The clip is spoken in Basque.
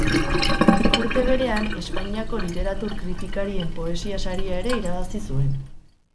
Urte berean, Espainiako literatur kritikarien poesia saria ere irabazi zuen.